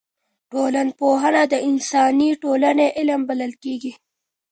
ټولنپوهنه د انساني ټولني علم بلل کیږي.